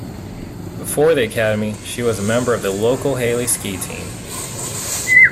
Before the academy, she was a member of the local Hailey Ski Team.